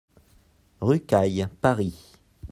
Rue Cail, Paris